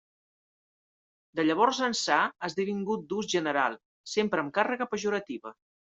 De llavors ençà ha esdevingut d'ús general, sempre amb càrrega pejorativa.